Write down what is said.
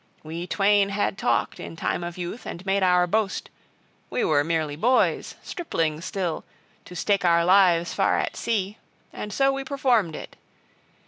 We twain had talked, in time of youth, and made our boast, we were merely boys, striplings still, to stake our lives far at sea: and so we performed it.